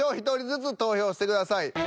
１人ずつ投票してください。